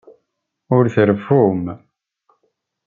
Ur treffum.